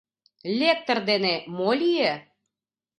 Лектор дене мо лие?